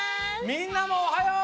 みんなもおはよう！